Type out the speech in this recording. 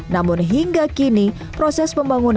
namun hingga kini proses pembangunan